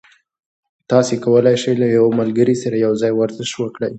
تاسي کولای شئ له یو ملګري سره یوځای ورزش وکړئ.